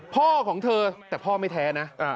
พ่อของเธอแต่พ่อไม่แท้นะ